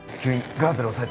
ガーゼで押さえて。